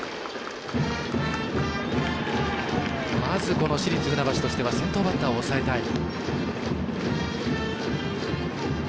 まず市立船橋としては先頭バッターを抑えたい。